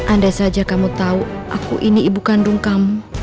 andai saja kamu tahu aku ini ibu kandung kamu